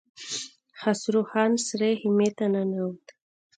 خسرو خان سرې خيمې ته ننوت.